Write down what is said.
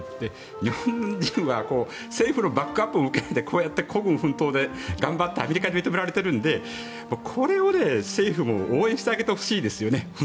日本人は政府のバックアップも受けないでこうやって孤軍奮闘で頑張ってアメリカで認められているのでこれを政府も応援してあげてほしいですね。